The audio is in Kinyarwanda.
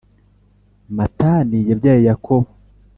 Matani yabyaye Yakobo